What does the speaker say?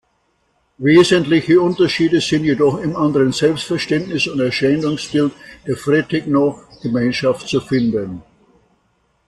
Wesentliche Unterschiede sind jedoch im anderen Selbstverständnis und Erscheinungsbild der Freetekno-Gemeinschaft zu finden.